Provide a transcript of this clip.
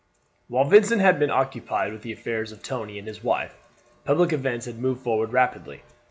While Vincent had been occupied with the affairs of Tony and his wife, public events had moved forward rapidly.